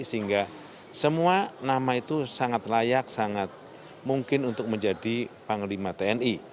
sehingga semua nama itu sangat layak sangat mungkin untuk menjadi panglima tni